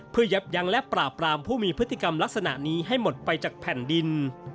เพื่อยับยั้งและปราบรามผู้มีพฤติกรรมลักษณะนี้ให้หมดไปจากแผ่นดิน